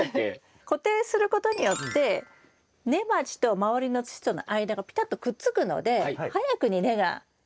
固定することによって根鉢と周りの土との間がぴたっとくっつくので早くに根が張る。